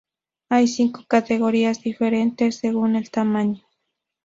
Hay cinco categorías diferentes según el tamaño.